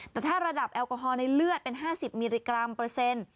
แต่ถ้าระดับแอลกอฮอลในเลือดเป็น๕๐มิลลิกรัมเปอร์เซ็นต์